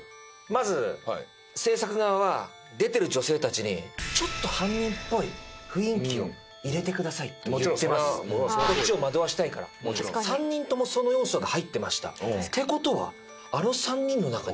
まず制作側は出てる女性たちにちょっと犯人っぽい雰囲気を入れてくださいとこっちを惑わしたいから３人ともその要素が入ってましたってことはおおー？